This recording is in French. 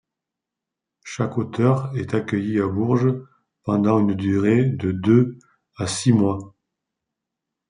Chaque auteur est accueilli à Bourges pendant une durée de deux à six mois.